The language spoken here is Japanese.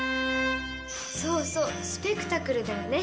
そうそう「スペクタクル」だよね。